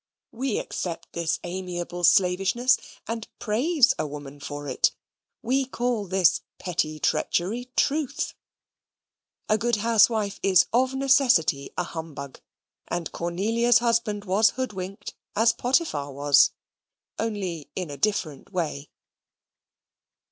We accept this amiable slavishness, and praise a woman for it: we call this pretty treachery truth. A good housewife is of necessity a humbug; and Cornelia's husband was hoodwinked, as Potiphar was only in a different way.